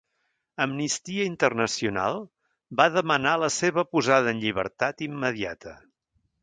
Amnistia Internacional va demanar la seva posada en llibertat immediata.